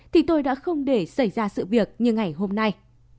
thì tôi đã không để xảy ra sự việc như ngày hôm nay